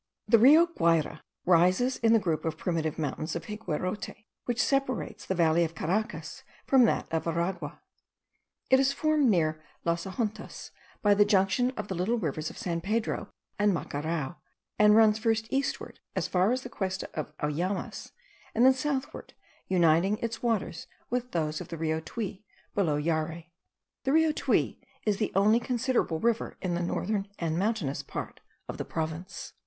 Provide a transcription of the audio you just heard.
The Rio Guayra rises in the group of primitive mountains of Higuerote, which separates the valley of Caracas from that of Aragua. It is formed near Las Ajuntas, by the junction of the little rivers of San Pedro and Macarao, and runs first eastward as far as the Cuesta of Auyamas, and then southward, uniting its waters with those of the Rio Tuy, below Yare. The Rio Tuy is the only considerable river in the northern and mountainous part of the province.